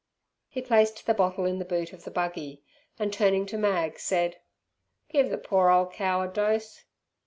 He placed the bottle in the boot of the buggy, and, turning to Mag, said "Give ther poor ole cow a dose!"